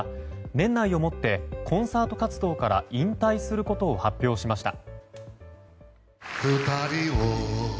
年内をもってコンサート活動から引退することを発表しました。